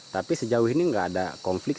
tapi sejauh ini nggak ada konflik